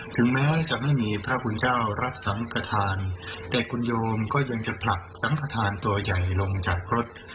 ถึงแม้จะไม่มีพระคุณเจ้ารับสังกฐานแต่คุณโยมก็ยังจะผลักสังขทานตัวใหญ่ลงจากรถ